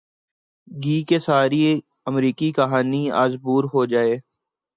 گی کہ ساری امریکی کہانی از بر ہو جائے۔